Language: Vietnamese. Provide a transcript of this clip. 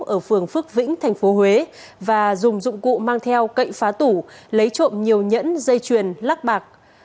ở phường phước vĩnh thành phố huế và dùng dụng cụ mang theo cậy phá tủ lấy trộm nhiều nhẫn dây chuyền lắc bạc